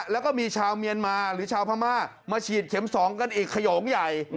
แล้วก็มีชาวเมียนมาหรือชาวพม่ามาฉีดเข็ม๒กันอีกขยงใหญ่